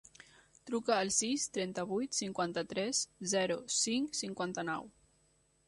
Truca al sis, trenta-vuit, cinquanta-tres, zero, cinc, cinquanta-nou.